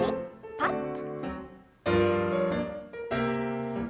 パッと。